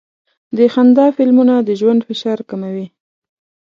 د خندا فلمونه د ژوند فشار کموي.